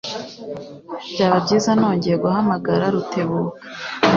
Byaba byiza nongeye guhamagara Rutebuka.